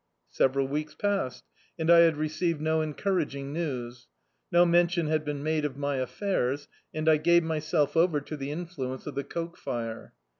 Several weeks passed, and I had received no en couraging news. No mention had been made of my affairs, and I gave myself over to the influence of the coke fire.